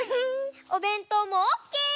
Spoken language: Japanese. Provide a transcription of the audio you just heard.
おべんとうもオッケー！